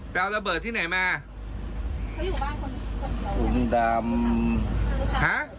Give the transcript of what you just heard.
เปล่าระเบิดที่ไหนมาเขาอยู่บ้านถุงดำฮะ